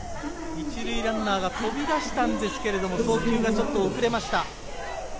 １塁ランナーが飛び出したんですけど、送球が遅れました。